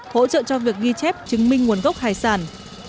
hỗ trợ cho việc ghi chép chứng minh nguồn gốc hải sản